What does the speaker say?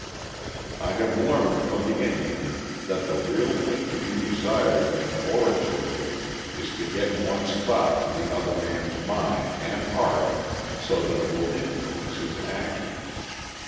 I have learned from the Indian that the real thing to be desired in oratory is to get one's thought into the other man's mind and heart so that it will influence his action.